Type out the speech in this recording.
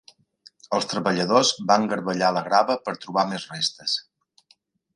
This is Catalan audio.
Els treballadors van garbellar la grava per trobar més restes.